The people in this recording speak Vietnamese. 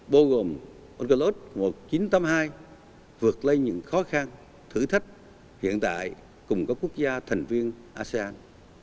bộ gồm onkelos một nghìn chín trăm tám mươi hai vượt lây những khó khăn thử thách hiện tại cùng các quốc gia thành viên asean